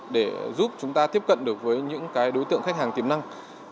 để giúp chúng ta tiếp cận được với những đối tượng khách hàng tiềm năng